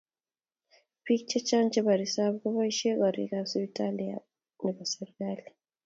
Bik chechang cheba resep kubashia korik ap siptali ab serikalit.